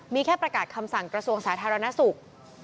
มีแค่ประกาศคำสั่งกระทรวงสาธารณสุข